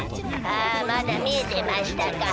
「あまだ見えてましたか。